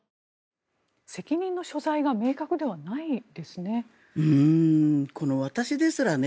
責任の所在が明確ではないですね。